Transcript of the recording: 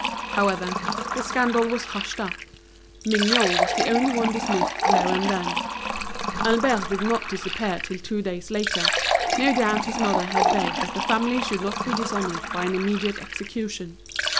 However, the scandal was hushed up. Mignot was the only one dismissed there and then. Albert did not disappear till two days later; no doubt his mother had begged that the family should not be dishonored by an immediate execution.